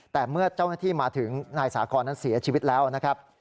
แต่เมื่อเจ้าหน้าที่มาถึงนายสาคอนนั้นเสียชีวิตแล้วนะครับ